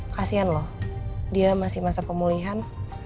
kasian loh dia masih masa pemulihan